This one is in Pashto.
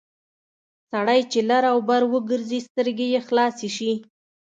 سړی چې لر او بر وګرځي سترګې یې خلاصې شي...